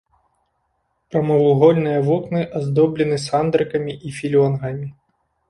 Прамавугольныя вокны аздоблены сандрыкамі і філёнгамі.